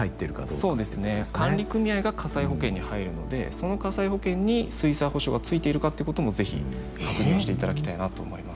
そうですね管理組合が火災保険に入るのでその火災保険に水災補償がついているかってことも是非確認をしていただきたいなと思います。